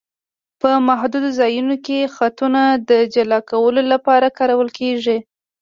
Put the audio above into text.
په محدودو ځایونو کې خطونه د جلا کولو لپاره کارول کیږي